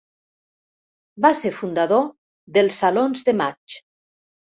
Va ser fundador dels Salons de Maig.